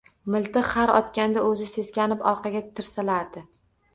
Miltiq har otganda o’zi seskanib orqaga tisariladi.